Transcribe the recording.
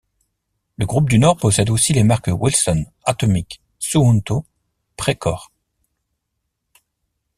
Le groupe du Nord possède aussi les marques Wilson, Atomic, Suunto, Precor.